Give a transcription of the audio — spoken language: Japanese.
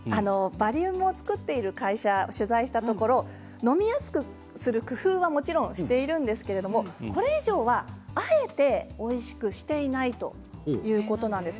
バリウムを作っている会社を取材したところ飲みやすくする工夫はもちろんしているんですがこれ以上は、あえておいしくしていないということなんです。